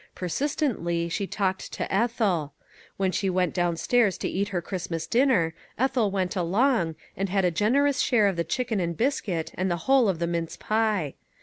Persistently she talked to " Ethel." When she went down stairs to eat her Christmas dinner, Ethel went along, and had a generous share of the chicken and biscuit and the whole of the mince pie.